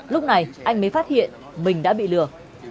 lúc này anh mới phát hiện mình đã bị lừa